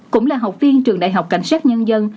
cũng là học viên trường đại học cảnh sát nhân dân